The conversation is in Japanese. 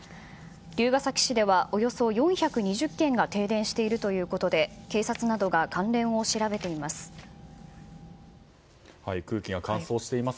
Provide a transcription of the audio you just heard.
龍ケ崎市ではおよそ４２０軒が停電しているということで警察などが関連を調べています。